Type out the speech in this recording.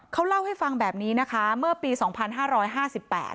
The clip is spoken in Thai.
เขาเล่าให้ฟังแบบนี้นะคะเมื่อปีสองพันห้าร้อยห้าสิบแปด